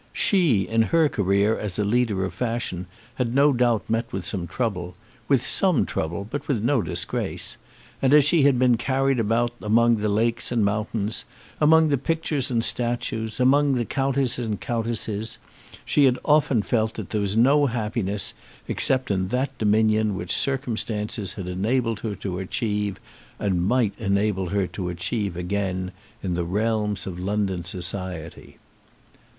She, in her career as a leader of fashion, had no doubt met with some trouble, with some trouble but with no disgrace; and as she had been carried about among the lakes and mountains, among the pictures and statues, among the counts and countesses, she had often felt that there was no happiness except in that dominion which circumstances had enabled her to achieve once, and might enable her to achieve again in the realms of London society.